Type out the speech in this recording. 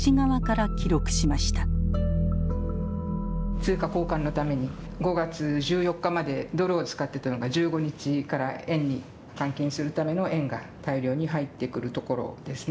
通貨交換のために５月１４日までドルを使ってたのが１５日から円に換金するための円が大量に入ってくるところですね。